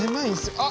あっ！